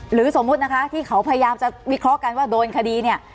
สมมุตินะคะที่เขาพยายามจะวิเคราะห์กันว่าโดนคดีเนี่ย